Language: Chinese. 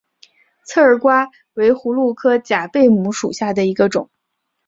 刺儿瓜为葫芦科假贝母属下的一个种。